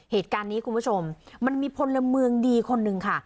เหตุการณ์นี้คุณผู้ชมมันมีพลเมืองดีคนหนึ่งค่ะ